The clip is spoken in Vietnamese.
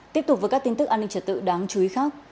tiếp tục với các tin tức an ninh trật tự đáng chú ý khác